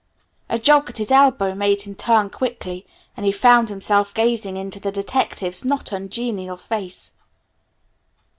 A jog at his elbow made him turn quickly, and he found himself gazing into the detective's not ungenial face.